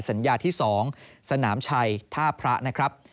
สัญญาที่๒สนามชัยท่าพระนะครับ